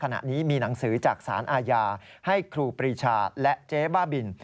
ขณะนี้มีหนังสือจากสารอาญาให้ครูปรีชาและเจ๊บ้าบิน